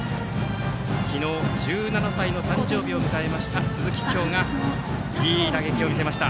昨日１７歳の誕生日を迎えました鈴木叶がいい打撃を見せました。